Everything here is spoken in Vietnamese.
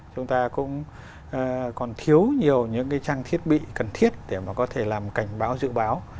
chúng ta cũng còn thiếu nhiều những cái trang thiết bị cần thiết để mà có thể làm cảnh báo dự báo